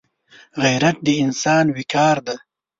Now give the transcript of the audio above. غیرت د انسان وقار دی